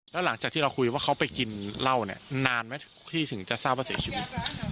แล้วหลังจากที่เราคุยว่าเขาไปกินเหล้าเนี่ยนานไหมพี่ถึงจะทราบว่าเสียชีวิต